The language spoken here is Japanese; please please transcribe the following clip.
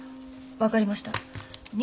分かりました。